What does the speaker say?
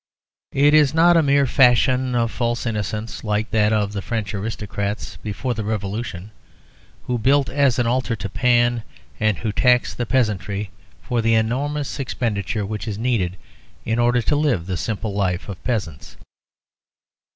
It is not a mere fashion of false innocence, like that of the French aristocrats before the Revolution, who built an altar to Pan, and who taxed the peasantry for the enormous expenditure which is needed in order to live the simple life of peasants.